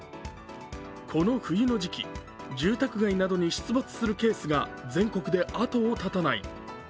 この冬の時期、住宅街などに出没するケースが全国で後を絶たない。